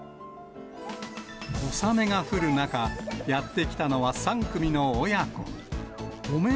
小雨が降る中、やって来たのは３組の親子。